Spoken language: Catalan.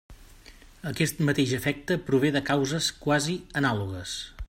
Aquest mateix efecte prové de causes quasi anàlogues.